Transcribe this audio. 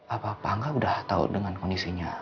apa apa gak udah tau dengan kondisinya